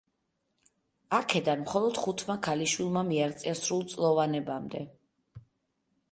აქედან მხოლოდ ხუთმა ქალიშვილმა მიაღწია სრულწლოვანებამდე.